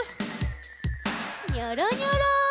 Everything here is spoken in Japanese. ニョロニョロ。